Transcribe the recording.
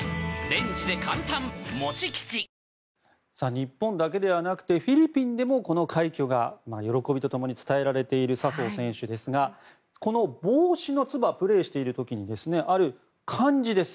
日本だけではなくてフィリピンでもこの快挙が喜びとともに伝えられている笹生選手ですがこの帽子のつばプレーしている時にある漢字です。